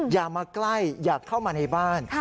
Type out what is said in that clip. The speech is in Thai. อย่ามาใกล้อย่าเข้ามาในบ้าน